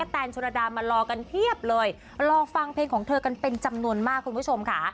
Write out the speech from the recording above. แนนชุรดามารอกันเพียบเลยรอฟังเพลงของเธอกันเป็นจำนวนมากคุณผู้ชมค่ะ